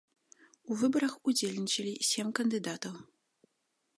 У выбарах удзельнічалі сем кандыдатаў.